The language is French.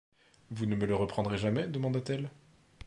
Vous ne me le reprendrez jamais, demanda-t-elle.